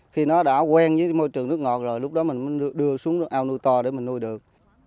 khi nó đã quen với môi trường nước ngọt rồi lúc đó mình mới đưa xuống ao nuôi to để mình nuôi được